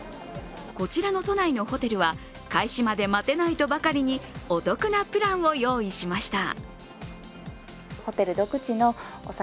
こちらの都内のホテルは開始まで待てないとばかりにお得なプランを用意しました。